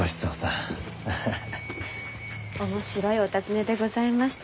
面白いお尋ねでございました。